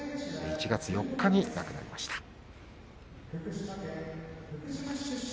１月４日に亡くなりました。